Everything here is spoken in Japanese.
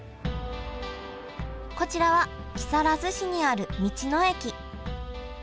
こちらは木更津市にある道の駅。